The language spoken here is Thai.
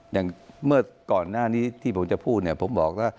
อย่างเมื่อก่อนหน้านี้ที่ผมจะพูดเนี่ยผมบอกว่า